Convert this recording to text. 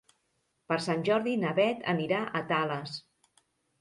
Per Sant Jordi na Beth anirà a Tales.